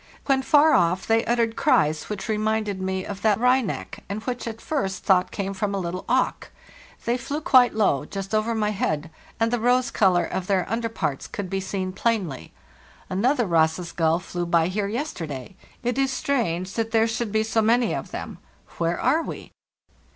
When far off they uttered cries which reminded me of that of the wryneck, and which I at first thought came from a little auk. They flew quite low, just over my head, and the rose color of their under parts could be seen plainly. Another Ross's gull flew by here yesterday. It is strange that there should be so many of them. Where are we?